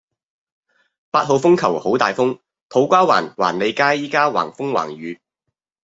八號風球好大風，土瓜灣環利街依家橫風橫雨